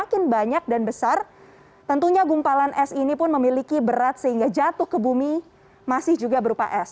semakin banyak dan besar tentunya gumpalan es ini pun memiliki berat sehingga jatuh ke bumi masih juga berupa es